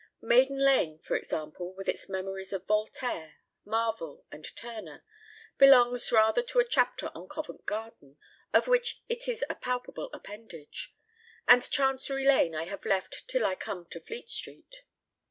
Maiden Lane, for example, with its memories of Voltaire, Marvell, and Turner, belongs rather to a chapter on Covent Garden, of which it is a palpable appanage; and Chancery Lane I have left till I come to Fleet Street.